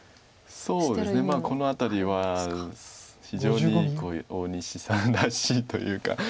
そうですねこの辺りは非常に大西さんらしいというか。